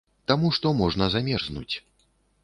Таму што можна замерзнуць.